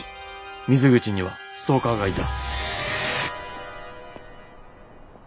水口にはストーカーがいた。